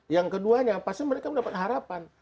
yang keduanya pasti mereka mendapat harapan